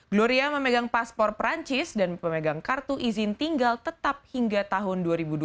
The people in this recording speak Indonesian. gloria memegang paspor perancis dan memegang kartu izin tinggal tetap hingga tahun dua ribu dua puluh